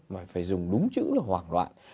mà phải dùng đúng chữ là hoảng loạn